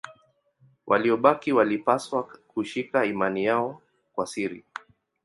Waliobaki walipaswa kushika imani yao kwa siri.